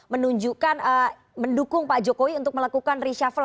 menunjukkan mendukung pak jokowi untuk melakukan reshuffle